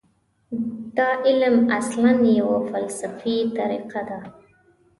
دا علم اصلاً یوه فلسفي طریقه ده.